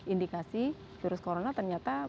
indikasi virus corona ternyata